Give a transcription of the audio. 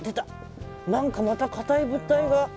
何かまた硬い物体が。